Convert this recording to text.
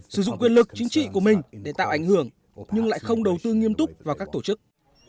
sử dụng quyền lực chính trị của mình để tạo ảnh hưởng nhưng lại không đầu tư nghiêm túc vào các tổ chức